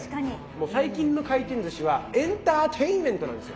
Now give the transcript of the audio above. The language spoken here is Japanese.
もう最近の回転ずしはエンターテインメントなんですよ。